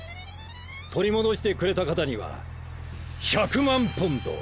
取り戻してくれた方には１００万ポンド！